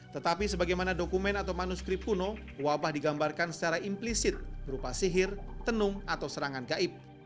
tetapi sebagaimana dokumen atau manuskrip kuno wabah digambarkan secara implisit berupa sihir tenung atau serangan gaib